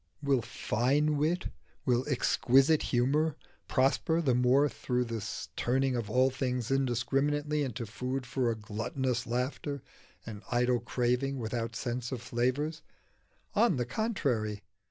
Will fine wit, will exquisite humour prosper the more through this turning of all things indiscriminately into food for a gluttonous laughter, an idle craving without sense of flavours? On the contrary.